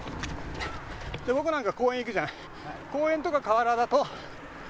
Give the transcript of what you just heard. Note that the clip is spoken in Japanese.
で僕なんか公園行くじゃん。